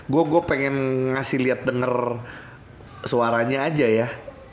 gue pengen ngasih liat denger suaranya aja ya